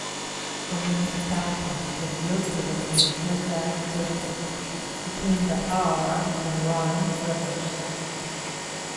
The municipality is located in the Zurzach district, between the Aare and Rhine rivers.